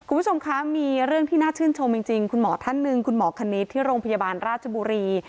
คุณผู้ชมคะมีเรื่องที่น่าชื่นชมจริงคุณหมอท่านหนึ่งคุณหมอคณิตที่โรงพยาบาลราชบุรี